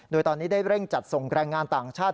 โดยตอนนี้ได้เร่งจัดส่งแรงงานต่างชาติ